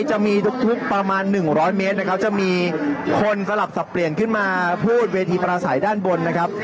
จะมีทุกประมาณ๑๐๐เมตรนะครับจะมีคนสลับสับเปลี่ยนขึ้นมาพูดเวทีประสัยด้านบนนะครับ